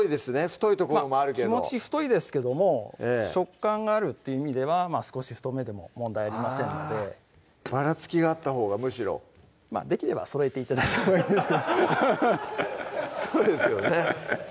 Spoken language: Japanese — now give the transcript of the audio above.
太い所もあるけど気持ち太いですけども食感があるっていう意味では少し太めでも問題ありませんのでばらつきがあったほうがむしろできればそろえて頂いたほうがいいですけどハハハハそうですよね